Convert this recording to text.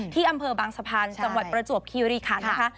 ที่อำเภอบางสะพานจังหวัดประจวบคีรีคันนะคะ